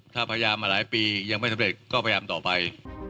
ถ้าพยายามมาหลายปียังไม่สำเร็จก็พยายามต่อไป